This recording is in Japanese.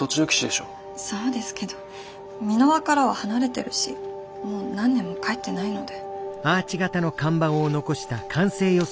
そうですけど美ノ和からは離れてるしもう何年も帰ってないので。